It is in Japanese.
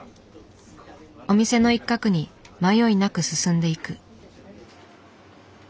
お店の一角に迷いなく進んでいく。